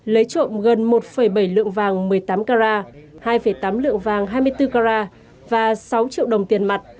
lấy trộm gần một bảy lượng vàng một mươi tám carat hai tám lượng vàng hai mươi bốn carat và sáu triệu đồng tiền mặt